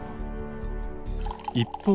一方。